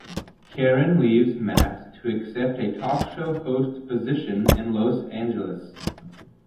Karen leaves Matt to accept a talk show host position in Los Angeles.